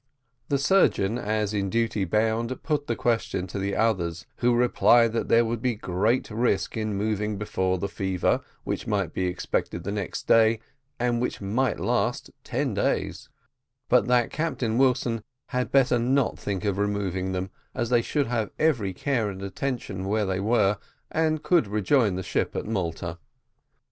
The surgeon, as in duty bound, put the question to the others, who replied that there would be great risk in removing before the fever, which might be expected the next day, and which might last ten days; but that Captain Wilson had better not think of removing them, as they should have every care and attention where they were and could rejoin the ship at Malta.